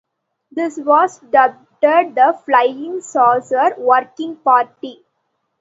This was dubbed the Flying Saucer Working Party.